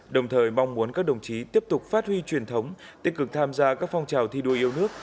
đồng thời mong muốn các đồng chí tiếp tục phát huy truyền thống tích cực tham gia các phong trào thi đua yêu nước